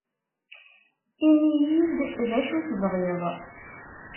Ini-yi-d d acu tebɣiḍ